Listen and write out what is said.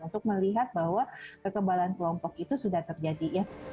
untuk melihat bahwa ketebalan kelompok itu sudah terjadi